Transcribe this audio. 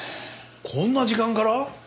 こんな時間から？